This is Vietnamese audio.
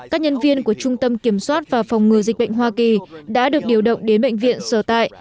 các nhân viên của trung tâm kiểm soát và phòng ngừa dịch bệnh hoa kỳ đã được điều động đến bệnh viện sở tại